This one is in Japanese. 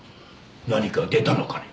何か出たのかね？